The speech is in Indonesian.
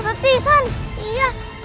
kita harus melakukan ke akasip